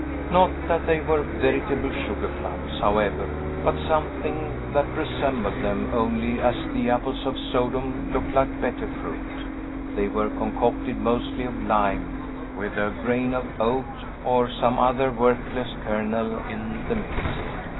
Not that they were veritable sugar plums, however, but something that resembled them only as the apples of Sodom look like better fruit. They were concocted mostly of lime, with a grain of oat, or some other worthless kernel, in the midst.